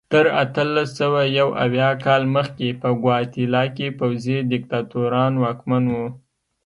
تر اتلس سوه یو اویا کال مخکې په ګواتیلا کې پوځي دیکتاتوران واکمن وو.